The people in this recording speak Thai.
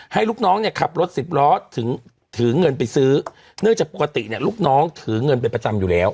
ลูกน้องเนี่ยขับรถสิบล้อถึงถือเงินไปซื้อเนื่องจากปกติเนี่ยลูกน้องถือเงินเป็นประจำอยู่แล้ว